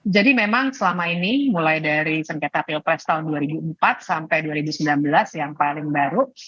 jadi memang selama ini mulai dari sengketa pilpres tahun dua ribu empat sampai dua ribu sembilan belas yang paling baru